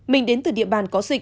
mình đến từ địa bàn có dịch